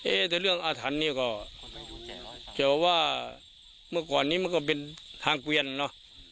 แต่เรื่องอาถรรพ์นี่ก็แต่ว่าเมื่อก่อนนี้มันก็เป็นทางเกวียนเนอะ